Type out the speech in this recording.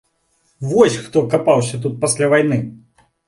Вось хто капаўся тут пасля вайны!